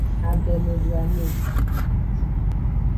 Adomeduame.